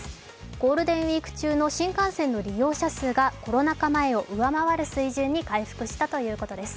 ゴールデンウイーク中の新幹線の利用者数がコロナ禍前を上回る水準に回復したということです。